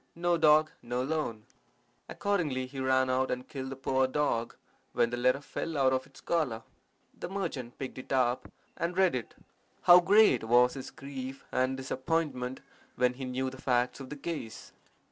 No dog, no loan.' Accordingly he ran out and killed the poor dog, when the letter fell out of its collar. The merchant picked it up and read it. How great was his grief and disappointment when he knew the facts of the case!